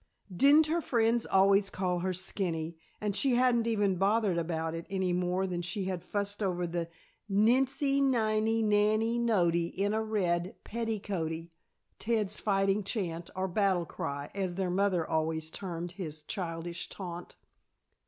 Didn't her friends always call her "skinny" and she hadn't even bothered about it any more than she had fussed over the "Nincy niney nanny notey in a red petticoaty," Ted's fighting chant or battle cry, as their mother always termed his childish taunt.